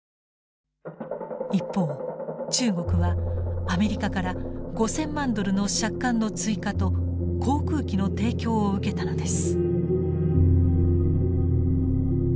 一方中国はアメリカから５，０００万ドルの借款の追加と航空機の提供を受けたのです。